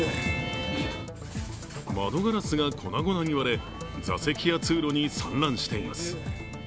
窓ガラスが粉々に割れ座席や通路に散乱しています。